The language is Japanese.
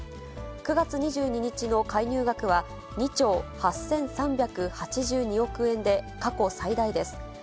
９月２２日の介入額は、２兆８３８２億円で過去最大です。